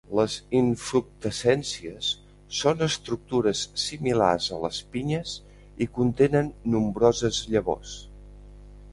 Les infructescències són estructures similars a les pinyes i contenen nombroses llavors.